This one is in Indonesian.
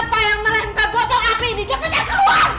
siapa yang merentah botol api ini cepat jangan keluar